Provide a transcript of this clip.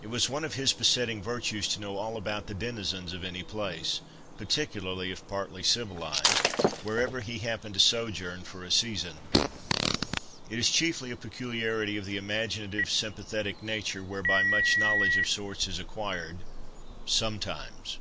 It was one of his besetting virtues to know all about the denizens of any place—particularly if partly civilised—wherever he happened to sojourn for a season. It is chiefly a peculiarity of the imaginative sympathetic nature whereby much knowledge of sorts is acquired—sometimes.